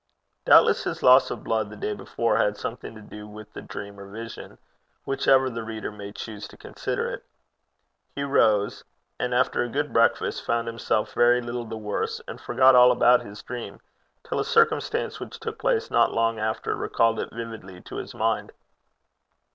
Doubtless his loss of blood the day before had something to do with the dream or vision, whichever the reader may choose to consider it. He rose, and after a good breakfast, found himself very little the worse, and forgot all about his dream, till a circumstance which took place not long after recalled it vividly to his mind.